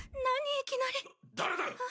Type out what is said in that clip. いきなり誰だ！